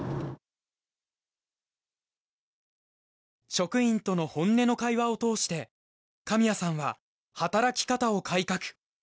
職員との本音の会話を通して神谷さんは働き方を改革。